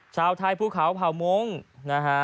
ชาวไทยภูเขาเผ่ามงค์นะฮะ